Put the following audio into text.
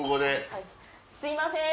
はいすいません。